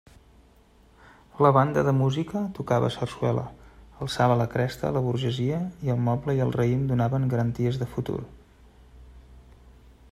La banda de música tocava sarsuela, alçava la cresta la burgesia i el moble i el raïm donaven garanties de futur.